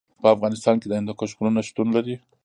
په افغانستان کې د هندوکش غرونه شتون لري.